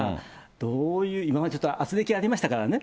どういう、今までちょっと、あつれきありましたからね。